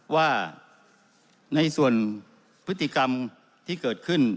ว่าในส่วนพฤติกรรมที่เกิดขึ้น